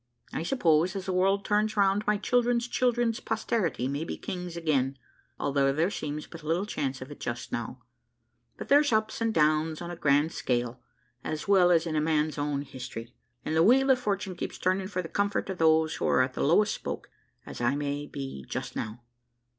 I suppose, as the world turns round, my children's children's posterity may be kings again, although there seems but little chance of it just now; but there's ups and downs on a grand scale, as well as in a man's own history, and the wheel of fortune keeps turning for the comfort of those who are at the lowest spoke, as I may be just now.